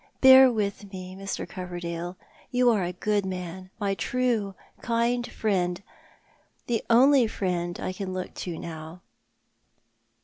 Bear with me, Mr. Coverdale. You are a good man, my true, kind friend— the only friend I can look to now."